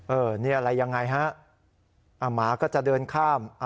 นี่อะไรยังไงฮะหมาก็จะเดินข้าม